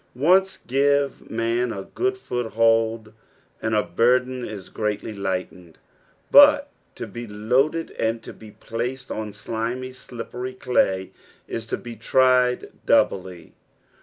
Once give man o. good foothuld, and a burden is greatly lightened, but to b« loaded and to be placed on slimy, slippery clay, is to be trieddoubly.